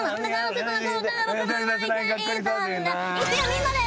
みんなで！